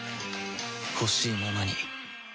ほしいままに